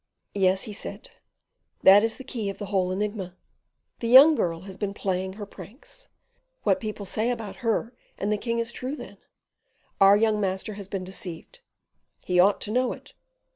"Yes," he said, "that is the key of the whole enigma. The young girl has been playing her pranks; what people say about her and the king is true, then; our young master has been deceived; he ought to know it.